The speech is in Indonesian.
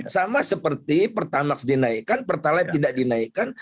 sama seperti pertamax dinaikkan pertalite tidak dinaikkan